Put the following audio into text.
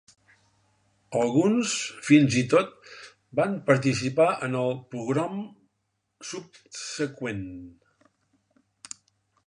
Alguns, fins i tot, van participar en el pogrom subseqüent.